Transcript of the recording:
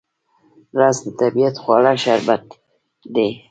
رس د طبیعت خواږه شربت دی